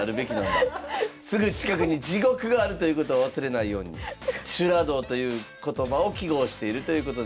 すぐ近くに地獄があるということを忘れないように「修羅道」という言葉を揮毫しているということですが。